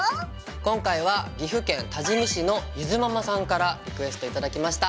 今回は岐阜県多治見市のゆづママさんからリクエスト頂きました。